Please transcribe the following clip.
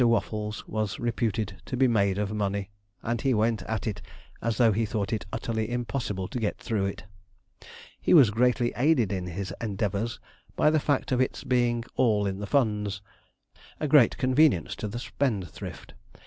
Waffles was reputed to be made of money, and he went at it as though he thought it utterly impossible to get through it. He was greatly aided in his endeavours by the fact of its being all in the funds a great convenience to the spendthrift.